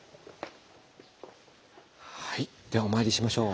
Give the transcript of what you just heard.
はいではお参りしましょう。